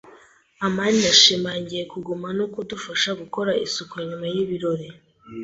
amani yashimangiye kuguma no kudufasha gukora isuku nyuma y’ibirori.